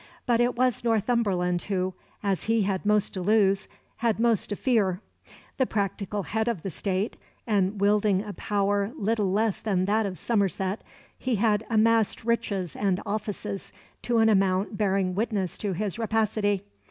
But it was Northumberland who, as he had most to lose, had most to fear. The practical head of the State, and wielding a power little less than that of Somerset, he had amassed riches and offices to an amount bearing witness to his rapacity.